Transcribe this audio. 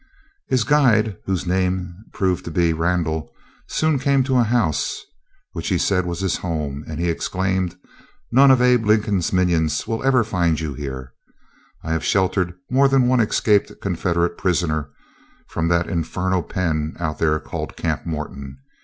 His guide, whose name proved to be Randall, soon came to a house which he said was his home, "and," he exclaimed, "none of Abe Lincoln's minions will ever find you here. I have sheltered more than one escaped Confederate prisoner from that infernal pen out there called Camp Morton.